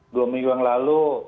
dua minggu yang lalu